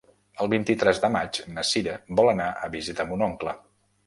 El vint-i-tres de maig na Cira vol anar a visitar mon oncle.